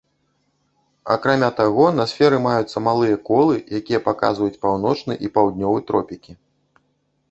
Акрамя таго, на сферы маюцца малыя колы, якія паказваюць паўночны і паўднёвы тропікі.